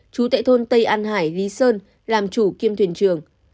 chú tệ thôn tây an hải lý sơn làm chủ kiêm thuyền trường